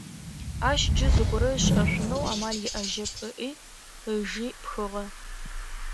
Ащ джы зыгорэ ышӏэшъунэу амал иӏэжьэп, ыӏи, ыжи пхыгъэ.